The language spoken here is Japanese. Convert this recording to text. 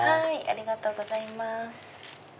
ありがとうございます。